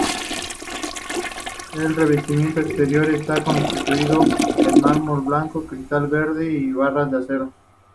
El revestimiento exterior está construido en mármol blanco, cristal verde y barras de acero.